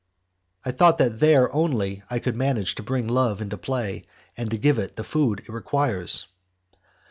I thought that there only I could manage to bring love into play and to give it the food it requires.